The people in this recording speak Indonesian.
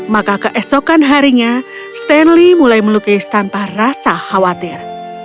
maka keesokan harinya stanley mulai melukis tanpa rasa khawatir